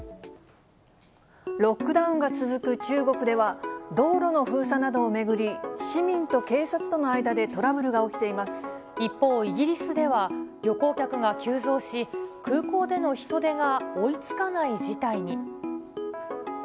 ロックダウンが続く中国では、道路の封鎖などを巡り、市民と警察との間でトラブルが起きていま一方、イギリスでは旅行客が急増し、空港での人手が追いつかない事態に。